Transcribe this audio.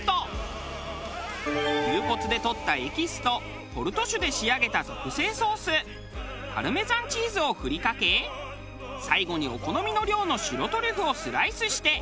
牛骨で取ったエキスとポルト酒で仕上げた特製ソースパルメザンチーズを振りかけ最後にお好みの量の白トリュフをスライスして完成。